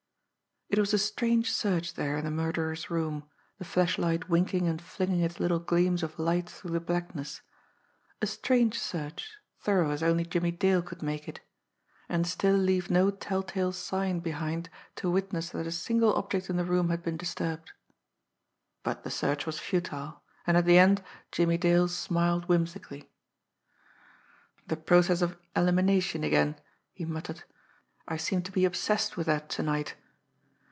It was a strange search there in the murderer's room, the flashlight winking and flinging its little gleams of light through the blackness; a strange search, thorough as only Jimmie Dale could make it and still leave no tell tale sign behind to witness that a single object in the room had been disturbed. But the search was futile; and at the end Jimmie Dale smiled whimsically. "The process of elimination again!" he muttered. "I seem to be obsessed with that to night.